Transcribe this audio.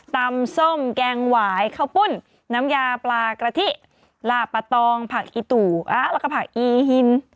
ส้มแกงหวายข้าวปุ้นน้ำยาปลากระทิลาปะตองผักอีตูแล้วก็ผักอีฮิน